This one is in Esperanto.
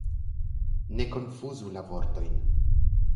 Ne konfuzu la vortojn!